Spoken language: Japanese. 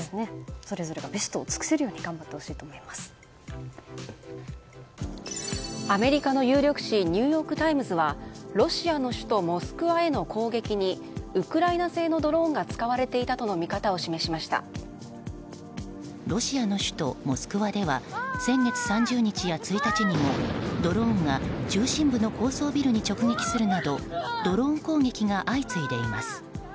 それぞれがベストを尽くせるようにアメリカの有力紙ニューヨーク・タイムズはロシアの首都モスクワへの攻撃にウクライナ製のドローンが使われていたとのロシアの首都モスクワでは先月３０日や１日にもドローンが中心部の高層ビルに直撃するなどドローン攻撃が相次いでいます。